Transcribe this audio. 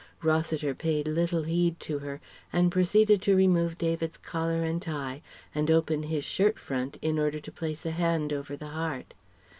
Rossiter paid little heed to her, and proceeded to remove David's collar and tie and open his shirt front in order to place a hand over the heart.